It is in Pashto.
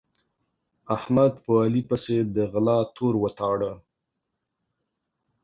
احمد په علي پسې د غلا تور وتاړه.